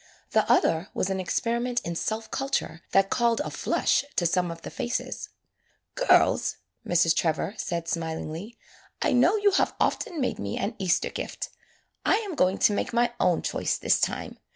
The other was an experiment in self culture that called a flush to some of the faces. ''Girls," Mrs. Trevor said smilingly, "I know you have often made me an Easter gift. I am going to make my own choice this time.